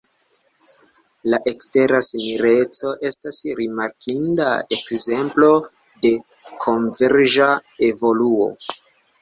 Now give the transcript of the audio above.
La ekstera simileco estas rimarkinda ekzemplo de konverĝa evoluo.